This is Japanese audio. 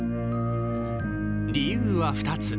理由は２つ。